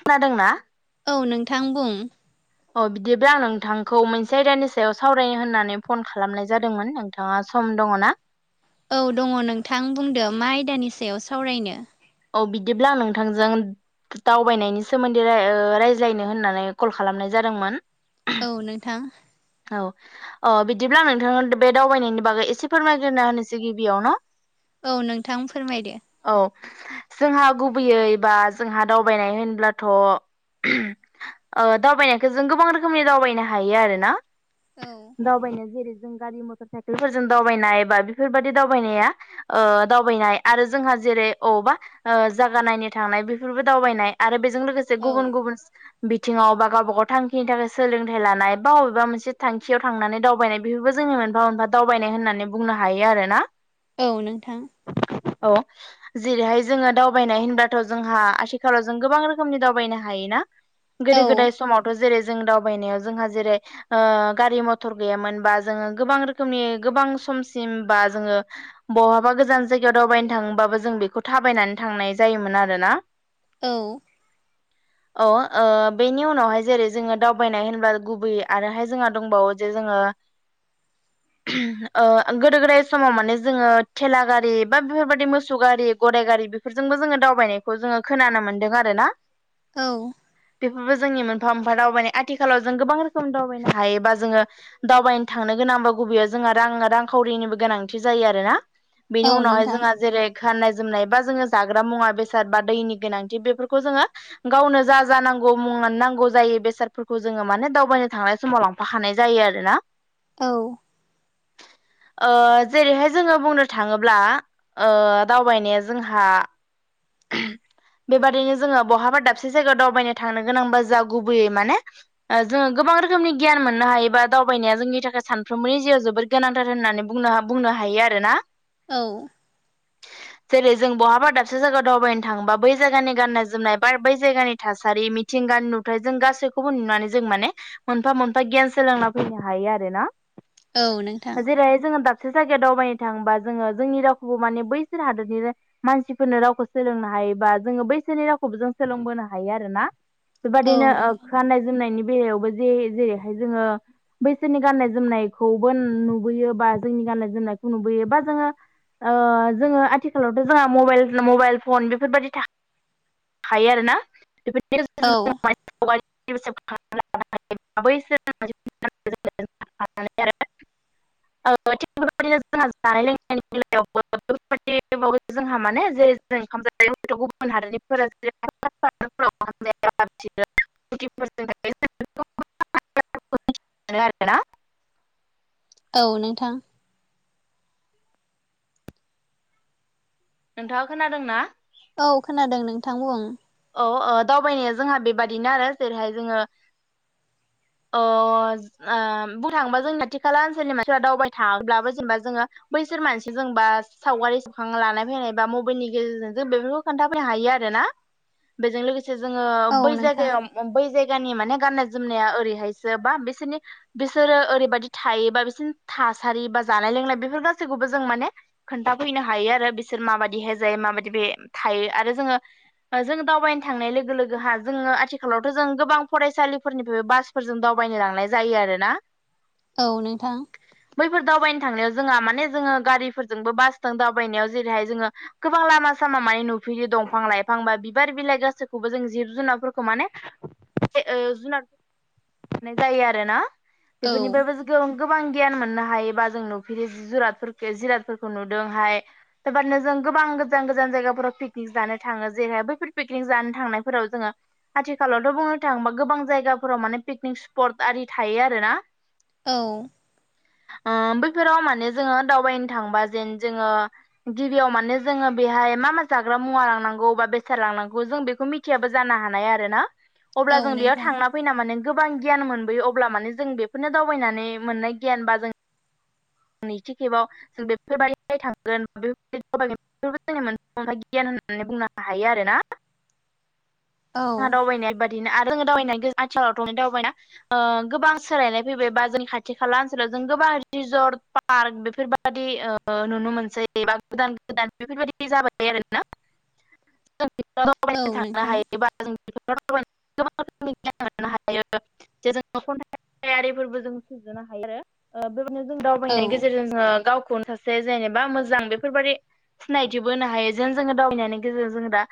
खोनादोंना? औ नोंथां बुं अ बिदिब्ला आं नोंथांखौ मोनसे आयदानि सायाव सावरायनो होननानै फन खालामनाय जादोंमोन नों नोंथाङा सम दङ ना? औ दङ नोंथां बुंदो मा आयदानि सायाव सावरायनो? औ बिदिब्ला आं नोंथांजों दावबायनायनि सोमोन्दै राय- ओ रायज्लायनो होननानै कल खालामनाय जादोंमोन। औ नोंथां। औ अ बिदिब्ला आं नोंथांनाव बे दावबायनायनि बागै एसे फोरमायग्रोना होनोसै गिबियावनो औ नोंथां फोरमायदो औ जोंहा गुबैयै बा जोंहा दावबायनाय होनब्लाथ' ओ दावबायनायखौ जों गोबां रोखोमनि दावबायनो हायो आरो ना। औ दावबायनो जेरै जों गारि मथर मटर साइकेलफोरजों दावबायनाय बा बेफोरबायदि दावबायनाया ओ दावबायनाय आरो जोंहा जेरै अबावबा जायगा नायनो थांनाय बेफोरबो दावबायनाय आरो बेजों लोगोसे औ गुबुन गुबुन बिथिङाव बा गावबा गाव थांखिनि थाखाय सोलोंथाइ लानाय बा अबेबा मोनसे थांखियाव थांनानै दावबायनाय बेफोरबो जोंनि मोनफा मोनफा दावबायनाय होननानै बुंनो हायो आरोना। औ नोंथां औ जेरैहाय जोङो दावबायनाय होनब्लाथ' जोंहा आथिखालाव जों गोबां रोखोमनि दावबायनो हायोना। गोदो औ गोदाय समावथ' जेरै जों दावबायनायाव जोंहा जेरै ओ गारि मथर गैयामोनबा जोङो गोबां रोखोमनि गोबां समसिम बा जोङो बहाबा गोजान जायगायाव दावबायनो थाङोबाबो जों बेखौ थाबायनानै थांनाय जायोमोन आरोना। औ [inaudible] अ ओ बेनि उनावहाय जेरै जोङो दावबायनाय होनब्ला गुबै आरोहाय जोंहा दंबावो जे जोङो [inaudible] ओ गोदो गोदाय समाव माने जोङो थेला गारि बा बेफोरबायदि मोसौ गारि गरायगारि बेफोरजोंबो जोङो दावबायनायखौ जोङो खोनानो मोनदों आरोना। औ बेफोरबो जोंनि मोनफा मोनफा दावबायनाय आथिखालाव जों गोबां रोखोम दावबायनो हायोबा जोङो दावबायनो थांनो गोनांबा गुबैयाव जोंहा रां रांखावरिनिबो गोनांथि जायो आरोना। बेनि औ उनावहाय नोंथां जोंहा जेरै खाननाय जोमनाय बा जोङो जाग्रा मुवा बेसाद बा दैनि गोनांथि बेफोरखौ जोङो गावनो जा जानांगौ मुं नांगौ जायो बेसादफोरखौ जोङो माने दावबायनो थांनाय समाव लां फाखानाय जायो आरो ना। औ ओ जेरैहाय जोङो बुंनो थाङोब्ला ओ दाव बायनाया जोंहा बेबायदिनो जोङो बहाबा दाबसे जायगायाव दावबायनो थांनो गोनांबा जा गुबैयै माने ओ जों गोबां रोखोमनि गियान मोननो हायो एबा दावबायनाया जोंनि थाखाय सानफ्रोमबोनि जिउआव जोबोद गोनांथार होननानै बुंनो बुंनो हायो आरोना। औ जेरै जों बहाबा दाबसे जायगायाव दावबायनो थाङोबा बै जायगानि गाननाय जोमनाय बा बै जायगानि थासारि [unintelligible] थिंगानि नुथाय जों गासैखौबो नुनानै जों माने मोनफा मोनफा गियान सोलोंना फैनो हायो आरो ना औ नोंथां जेरैहाय जोङो दाबसे जायगायाव दावबायनो थाङोबा जोङो जोंनि रावखौबो माने बैसोर हादोर बिनो मानसिफोरनो रावखौ सोलोंनो हायोबा जोङो बैसोरनि रावखौबो जों सोलोंबोनो हायो आरोना। औ बेबादिनो नोंथां गाननाय जोमनायनि बेलायावबो जे जेरैहाय जोङो बैसोरनि गान्नाय जोमनायखौबो नुबोयो बा जोंनि गान्नाय जोमनायखौ नुबोयो बा जोङो ओ जोङो आथिखा लावथ' जोंहा मबाइल मबाइल फन बेफोरबायदि [inaudible] थाखायो आरोना बेफोरदि औ [unintelligible] [unintelligible] [unintelligible] [unintelligible] जोंहा माने [unintelligible] [unintelligible] [unintelligible] औ नोंथां नोंथाङा खोनादों ना? औ खोनादों नोंथां बुं? औ अ दावबायनाया जोंहा बेबादिनो आरो जेरैहाय जोङो अ ओ बुं थाङोबा जोंनि खाथि खाला ओनसोलनि मानसिफ्रा दावबाय थाब्लाबो जेनेबा जोङो बैसोर मानसि जोंबा सावगारिखां लानाय फैनाय बा मबेइलनि गेजेरजों जों बेफोरखौ खोन्थाफैनो हायो आरो ना बेजों लोगोसे जोङो औ बै नोंथां जायगायाव बै जायगानि माने गाननाय जोमनाया ओरैहायसो बा बिसोरनि बिसोरो ओरैबायाददि थायोबा बिसोरनि थासारि बा जानाय लोंनाय बेफोर गासैखौबो जों माने खोन्थाफैनो हायो आरो बिसोर माबायदिहाय जायो माबायदि बे थायो आरो जोङो जों दावबायनो थांनाय लोगो लोगो हा जोङो आथिखालावथ' जों गोबां फरायसालिफोरनिफ्राय बास फोरजों दावबायनो लांनाय जायो आरोना। औ नोंथां। बैफोर दावबायनो थांनायाव जोंहा माने जोङो गारिफोरजोंबो बासजों दावबायनायाव जेरैहाय जोङो गोबां लामा सामा मान नुफैयो दंफां लाइफां बिफां बा बिबार बिलाइ गासैखौबो जों जिब जुनारफोरखौ माने ओ जुनार [unintelligible] जायो आरो ना औ बेफोरनिफ्रायबो गोबां गियान मोननो हायो बा जों नुफेरि जादफोरखौ जिरादफोरखौ नुदोंहाय [unintelligible] गोबां गोजान गोजान जायगाफोराव पिकनिक जानो थाङो जेरैहाय बैफोर पिकनिक जानो थांनायफोराव जोङो आथिखालावथ' बुंनो थाङोबा गोबां जायगाफोराव माने पिकनिक स्पट आरि थायो आरो ना औ ओ बैफोराव माने जोङो दावबायनो थांबा जेन जोङो गिबियाव माने जोङो बेहाय मा मा जाग्रा मुवा लांनांगौ गौ बा बेसाद लांनांगौ जों बेखौ मिथियाबो जानो हानाय आरो ना औ अब्ला जों बेयाव नोंथां थांना फैना माने गोबां गियान मोनबोयो अब्ला माने जों बेफोरनो दावबायनानै मोननाय गियान बा जों नैथि खेबाव जों बेफोरबायदि थांगोन बेफोर [unintelligible] दावगोन [unintelligible] गियान होननानै बुंनो हायो आरो ना औ जोंहा दावबायनाय बे बादिनो आरो जोङो दावबायनाय आथिखालावथ' दावबायना ओ गोबां सोलायनाय फैबाय बा जोंनि खाथि खाला ओनसोलाव जों गोबां रिजर्ट फ पार्क बेफोरबाददि ओ नुनो मोनसै बा गोदान गोदान बेफोरबायादि जाबाय थायो आरोना। जों औ दावनो थांनो नोंथां हायोबा गोबां [unintelligible] [inaudible] [unintelligible] हायो जे जों खन्थाय आरिफोरबो जों सुजुनो हायो। ओ बेबायदिनो जों औ दावबायनायनि गेजेरजों जोङो गावखौनो सासे जेनेबा मोजां बेफोरबायदि सिनायथिबो होनो हायो जेन जोङो दावबायनायनि गेजेरजों जों दा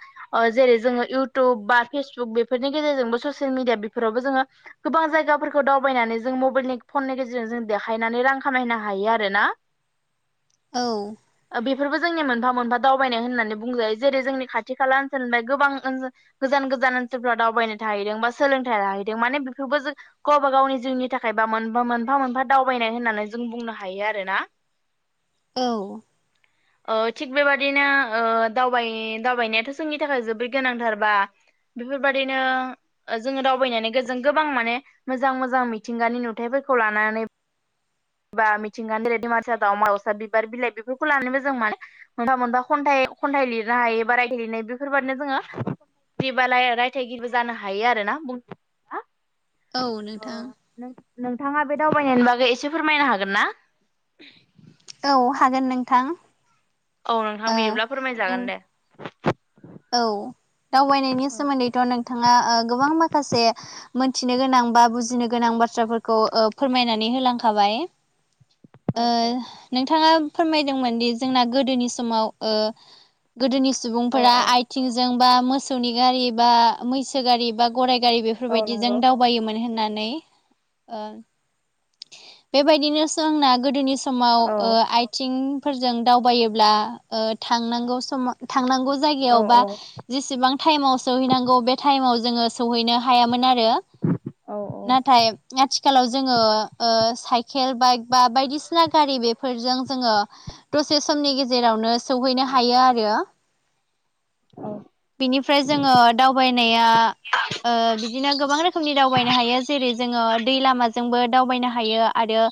जेरै जोङो इउट टुब बा फेसबुक बेफोरनि गेजेरजोंबो ससियेल मिडिया बेफोरावबो जोङो गोबां जायगाफोरखौ दावबायनानै जों मबाइलनि फननि गेजेरजों जों देखायनानै रां खामायहनो हायो आरो ना। [inaudible] औ बेफोरबो जोंनि मोनफा मोनफा दावबायनाय होननानै बुंजायो जेरै जोंनि खाथि खाला ओनसोलनिफ्राय गोबां ओन गोजान गोजान ओनसोलफ्राव दावबायनो थाहैदों बा सोलोंथाइ लााहैदों माने बेफोरबो जों गबा गावनि जिउनि थाखायबा मोन मोनफा मोनफा दावबायनाय होननानै जों बुंनो हायो आरो ना। [inaudible] औ ओ थिग बेबादिनो ओ दावबाय दावबायनायाथ' जोंनि थाखाय जोबोरै गोनांथार बा बेफोरबायदिनो ओ जोङो दावबायनानै गोजों गोबां माने मोजां मोजां मिथिंगानि नुथायाइफोरखौ लानानै बा मिथिंगानिरायदि मानसिया दाउमा दावसा बिबार बिलाइ बेफोरखौ लानानैबो जों मान मोनफा मोनफा खन्थाइ खन्थाइ लिरनो हायो बा रायथाय लिरनाय बेफोरबादिनो जोङो बिदि बालाय रायथाइगिरिबो जानो हायो आरोना बुं आ औ नोंथां। नोंथाङा बे दावबायनायनि बागै एसे फोरमायनो हागोन ना? औ हागोन नोंथां। औ नोंथां ओ बिदिब्ला नों फोरमायजागोन दे औ दावबायनायनि औ सोमोन्दैथ' नोंथाङा ओ गोबां माखासे मोनथिनो गोनां बा बुजिनो गोनां बाथ्राफोरखौ ओ फोरमायनानै होलांखाबाय। ओ औ नोंथाङा फोरमायदोंमोन दि जोंना गोदोनि समाव ओ गोदोनि सुबुंफोरा औ थिंजों बा मोसौनि गारि बा मैसो गारि बा गराइ गारि बे औ बेफोरबायदिजों नंगौ दावबायोमोन होननानै ओं बेबायदिनो सोंना गोदोनि समाव औ आय थिंफोरजों दावबायोब्ला ओ थांनांगौ समाव थांनांगौ औ जायगायाव बा औ जेसेबां टाइमाव सौहैनांगौ बे टाइमाव जोङो सौहैनो हायामोन आरो। औ नाथाय आथिखालाव जोङो ओ साइकेल बाइक बा बायदिसिना गारि बेफोरजों जोङो दसे समनि गेजेरावनो सहैनो हायो आरो। औ बिनिफ्राय जोङो दावबायनाया ओ बिदिनो गोबां रोखोमनि दावबायनो हायो जेरै जोङो दै लामाजोंबो दावबायनो हायो आरो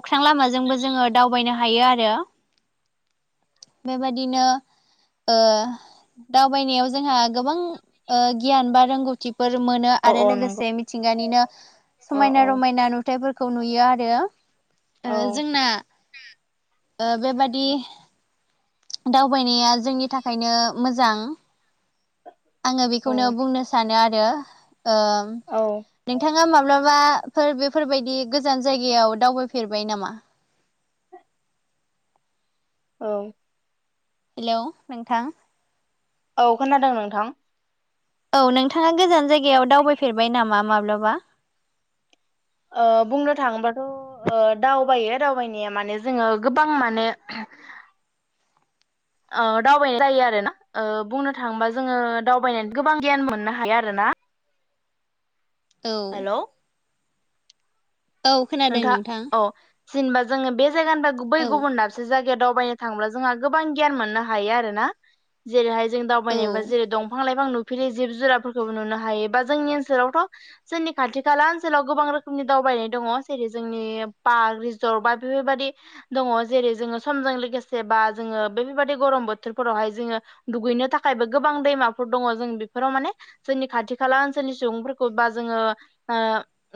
अख्रां लामाजोंबो जोङो दावबायनो हायो आरो। बेबायाददिनो ओ दावबायनायाव जोंहा गोबां ओ गियान बा रोंगौथिफोर मोनो औ आरो औ नंगौ लोगोसे मिथिंगानिनो औ समायना रमायना नुथायाइफोरखौ नुयो आरो। ओ औ जोंना ओ बेबादि दावबायनाया जोंनि थाखायनो मोजां आङो बेखौनो बुंनो सानो आरो ओ औ। नोंथाङा माब्लाबाफोर बेफोरबायदि गोजान जायगायाव दावबायफेरबाय नामा? औ। हेलौ नोंथां औ खोनादों नोंथां औ नोंथाङा गोजान जायगायाव दावबायफेरबाय नामा माब्लाबा ओ बुंनो थाङोब्लाथ ओ दावबायो दावबायनाया माने जोङो गोबां माने। ओ दावबायनाय जायो आरोना बुंनो थाङोबा जोङो दावबायनानै गोबां गियान मोननो हायो आरोना औ। हेलौ औ खोनादों नोंथां औ जेनेबा जोङो बे जायगानि दा बै औ गुबुन दाब से जायगायाव दावबायनो थांङोब्ला जोंहा गोबां गियान मोननो हायो आरोना जेरैहाय जों औ दावबायनायबा जेरै दंफां लाइफां नुफेरै जिब जुनारफोरखौबो नुनो हायो बा जोंनि ओनसोलावथ'। जोंनि खाथि खाला ओनसोलाव गोबां रोखोमनि दावबायनाय दङ जेरै जोंनि पार्क रिजर्ट बा बेफोरबादि दङ जेरै जोङो समजों लोगोसे बा जोङो बेफोर बेबायदि गरम बोथोरफोरावहाय जोङो। दुगैनो थाखायबो गोबां दैमाफोर दङ जों बेफोराव माने। जोंनि खाथि खाला ओनसोलनि सुबुंफोरखौ बा जोङो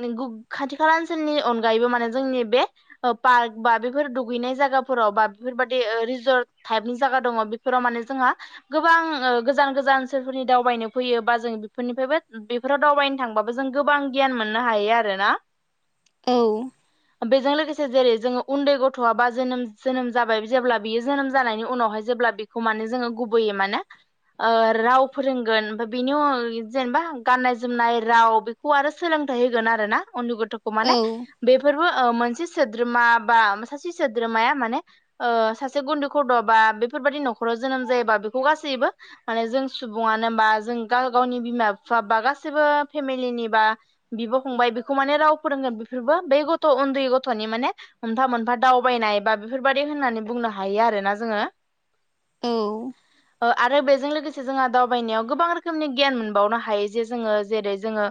ओ गु खाथि खाला ओ नसोलनि अनगायैबो माने जोंनि बे ओ पार्क बा बेफोर दुगैनाय जायगाफोराव बा बेफोरबादि रिजर्ट टाइपनि जायगा दङ बेफोराव माने जोंहा। गोबां गोजान गोजान ओनसोलफोरनि दावबायनो फैयो बा जों बेफोरनिफ्रायबो। बेफोराव दावबायनो थांबाबो जों गोबां गियान मोननो हायो आरोना औ। बेजों लोगोसे जेरै जोङो उन्दै गथ'आ बा जोनोम जोनोम जाबाय जेब्ला बियो जोनोम जानायनि उनावहाय जेब्ला खौ माने जोङो गुबैयै माने। राव फोरोंगोन ओमफ्राय बेनि जेनेबा गाननाय जोमनाय राव बे खौ आरो सोलोंथाइ होगोन आरोना उन्दु गथ'खौ माने औ बेफोरबो मोनसे सोद्रोमा बा सासे सोद्रोमाया माने ओ सासे गुनदै गथ' बा बेफोरबादि न'खराव जोनोम जायोबा बेखौ गासैबो माने जों सुबुङानो मा जों गाव गावनि बिमा बिफा बा गासैबो फेमिलिनि बा बिब' फंबाय बेखौ माने राव फोरोंगोन बेफोरबो बे गथ' उन्दै गथ'नि माने। मोनफा मोनफा दावबायनाय बा बेफोरबादि होननानै बुंनो हायो आरोना जोङो। औ ओ आरो बेजों लोगोसे जोंहा दावबायनायाव गोबां रोखोमनि गियान मोनबावनो हायो जे जोङो जेरै जोङो।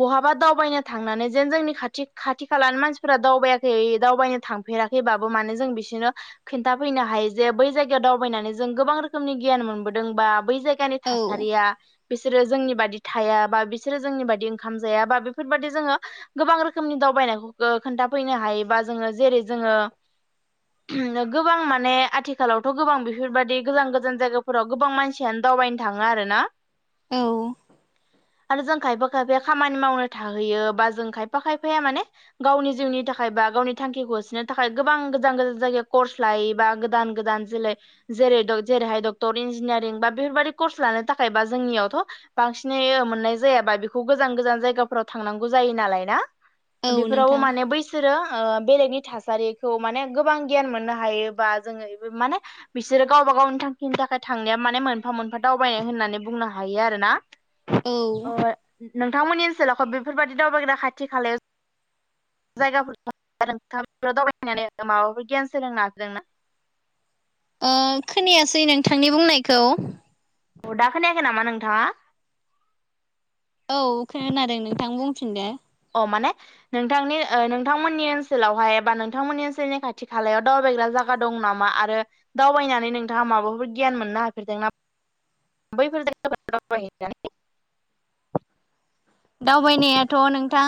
बहाबा दावबायनो थांनानै। जेन जोंनि खाथि खाथि खालानि मानसिफोरा दावबायाखै दावबायनो थांफेराखैबाबो माने जों बिसोरनो खिन्थाफैनो हायो जे बै जायगायाव दावबायनानै जों गोबां रोखोमनि गियान मोनबोदों बा बै जाय खानि औ थासारिया बिसोरो जोंनि बादि थाया बा बिसोरो जोंनि बादि ओंखाम जाया बा बेफोरबादि जोङो गोबां रोखोमनि दावबायनायखौ खोन्थाफैनो हायोबा जोङो जेरै जोङो गोबां माने आथिखालावथ' गोबां बेफोरबायदि गोजान गोजान जायगाफोराव गोबां मानसि सियानो दावबायनो थाङा आरोना औ आरो जों खायफा खायफाया खामानि मावनो थाहैयो बा जों खायफा खायफाया माने गावनि जिउनि थाखाय बा गावनि थांखिखौ होसोनो थाखाय गोबां गोजान गोजान जायगायाव कर्स लायो बा गोदान गोदान जोले जेरै जेरैहाय डक्टर इन्जिनियारिं बा बेफोरबादि कर्स लानो थाखायबा जोंनियावथ' बांसिनै मोननाय जाया बा बेखौ गोजान गोजान जायगाफोराव थांनांगौ जायो नालाय ना औ बेफोरावबो नोंथां माने बैस सोरो बेलेगनि थासारिखौ माने गोबां गियान मोननो हायोबा जोङो माने बिसोरो गावबा गावनि थांखिनि थाखाय थांनाया माने मोनफा मोनफा दावबायनाय होननानै बुंनो हायो आरोना औ नोंथांमोननि ओनसोलाव बेफोरबादि दावबायग्रा खाथि खालायाव जायगाफोरखौथ दावबायनानै माबाफोर गियान सोलोंनो नाजिरदों ना ओ खोनायासै नोंथांनि बुंनायखौ अ दा खोनायाखै नामा नोंथाङा? औ खोनादों नोंथां बुंफिनदो अ माने नोंथांनि ओ नोंथांमोननि ओनसोलावहाय बा नोंथांमोननि ओनसोलनि खाथि खालायाव दावबायग्रा जाग जायगा दं नामा? आरो दावबायनानै नोंथाङा माबाफोर गियान मोननो हाफेरदों नाम बैफोर [unintelligible] दावबायनायाथ' नोंथां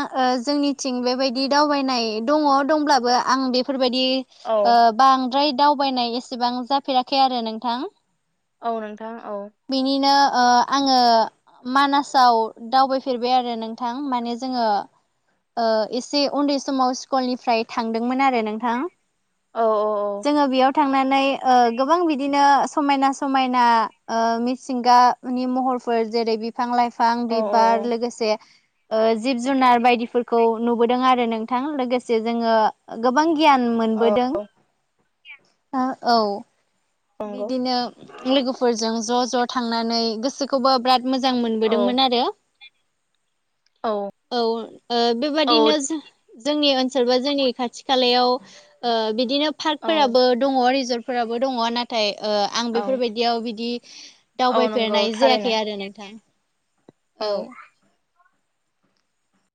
जोंनिथिं बेबायदि दावबायनाय दङ दंब्लाबो आं बे फोरबायदि औ बांद्राय दावबायनाय एसेबां जाफेराखै आरो नोंथां औ नोंथां औ बिनिनो ओ आङो मानासाव दावबाय फैफेरबाय आरो नोंथां माने जोङो, ओ एसे उन्दै समाव स्कुलनिफ्राय थांदोंमोन आरो नोंथां, औ औ जोङो बेयाव थांनानै ओ गोबां बिदिनो समायना समायना, ओ मिथिंगानि महरफोर जेरै बिफां लाइफां औ बिबार लोग जिब जुनार बायदिफोरखौ नुबोदों आरो नोंथां लोगोसे जोङो, गोबां गियान औ मोनबोदों औ औ नंगौ बिदिनो लोगोफोरजों ज' ज' थांनानै गोसोखौबो बिराद मोजां औ मोनबोदोंमोन आरो औ ओ बे औ बायदिनो जो जोंनि ओनसोल बा जोंनि खाथि खालायाव ओ बिदिनो औ पार्कफोराबो दङ रिजर्टफोराबो दङ नाथाय आं औ बेफोरबायदियाव बिदि औ नंगौ दावबायफेरनाय थारैनो जायाखै आरो नोंथां। औ